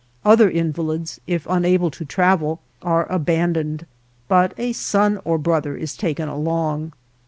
Other invalids, if unable to travel, are aban doned ; but a son or brother is taken along.